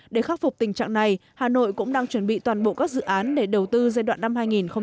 để khắc phục tình trạng này hà nội cũng đang chuẩn bị toàn bộ các dự án để đầu tư giai đoạn năm hai nghìn hai mươi một hai nghìn hai mươi năm